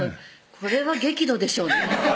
これは激怒でしょうね